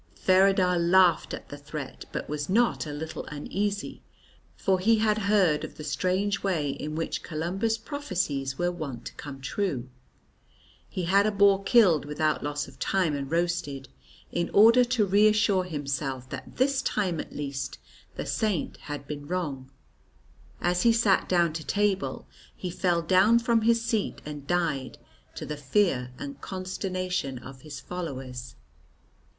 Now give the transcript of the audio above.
Feradagh laughed at the threat but was not a little uneasy, for he had heard of the strange way in which Columba's prophecies were wont to come true. He had a boar killed without loss of time and roasted, in order to reassure himself that this time at least the Saint had been wrong. As he sat down to table, he fell down from his seat and died, to the fear and consternation of his followers.